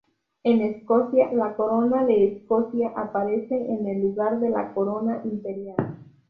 En Escocia, la corona de Escocia aparece en el lugar de la corona imperial.